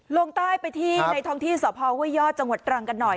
ลงใต้ไปที่ในท้องที่สพห้วยยอดจังหวัดตรังกันหน่อย